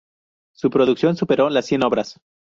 Su producción supero las cien obras.